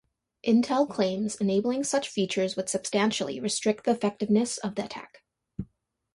Intel claims enabling such features would substantially restrict the effectiveness of the attack.